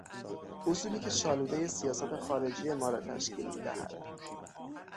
اصولی که شالودهی سیاست خارجی ما را تشکیل میدهد